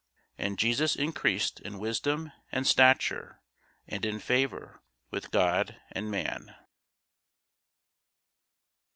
And Jesus increased in wisdom and stature, and in favour with God and man.